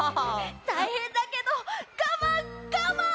たいへんだけどがまんがまん！